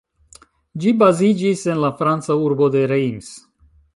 Ĝi baziĝis en la Franca urbo de Reims.